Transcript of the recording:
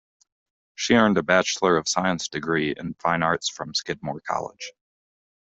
She earned a Bachelor of Science degree in Fine Arts from Skidmore College.